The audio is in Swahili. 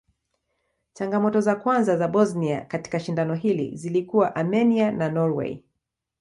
Changamoto za kwanza za Bosnia katika shindano hili zilikuwa Armenia na Norway.